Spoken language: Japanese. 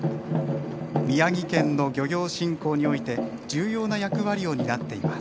宮城県の漁業振興において重要な役割を担っています。